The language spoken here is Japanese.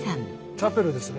チャペルですね。